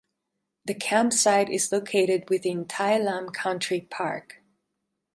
The campsite is located within Tai Lam Country Park.